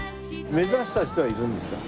目指した人はいるんですか？